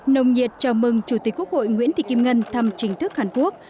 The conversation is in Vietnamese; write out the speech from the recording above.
nồng nhiệt chào mừng chủ tịch quốc hội nguyễn thị kim ngân thăm chính thức hàn quốc